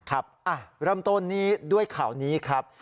ครับเริ่มต้นนี้ด้วยข่าวนี้ครับ